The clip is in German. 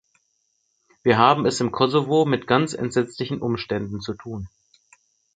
Wir haben es im Kosovo mit ganz entsetzlichen Umständen zu tun.